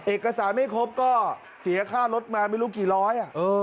เอกสารไม่ครบก็เสียค่ารถมาไม่รู้กี่ร้อยอ่ะ